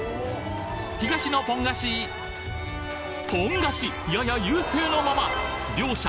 東のポン菓子ポン菓子やや優勢のまま両者